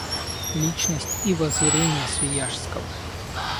Личность и воззрения Свияжского.